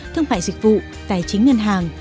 thương mại dịch vụ tài chính ngân hàng